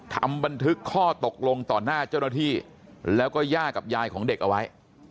ทำบันทึกข้อตกลงต่อหน้าเจ้าหน้าที่แล้วก็ย่ากับยายของเด็กเอาไว้